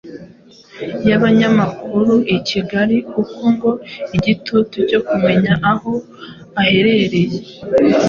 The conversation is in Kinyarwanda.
y'abanyamakuru i Kigali.Uko ngo igitutu cyo kumenya aho aherereye